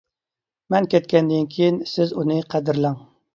مەن كەتكەندىن كىيىن سىز ئۇنى قەدىرلەڭ!